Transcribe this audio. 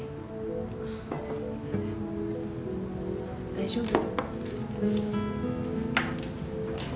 大丈夫？